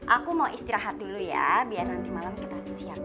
aku mau istirahat dulu ya biar nanti malem kita siap beraksi